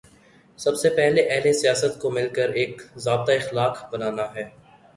سب سے پہلے اہل سیاست کو مل کر ایک ضابطۂ اخلاق بنانا ہے۔